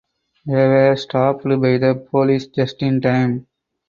They were stopped by the police just in time.